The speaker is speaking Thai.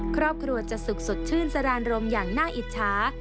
ครอบครัวจะสุขสดชื่นสรานรมอย่างน่าอิจฉา